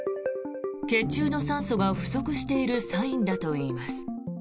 血中の酸素が不足しているサインだといいます。